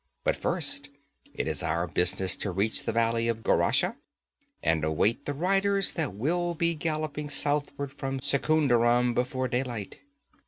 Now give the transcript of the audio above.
'But first it is our business to reach the valley of Gurashah and await the riders that will be galloping southward from Secunderam before daylight.'